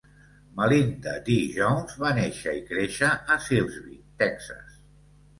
Melinda Dee Jones va néixer i créixer a Silsbee, Texas.